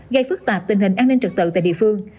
gây phức tạp tình hình an ninh trật tự tại địa phương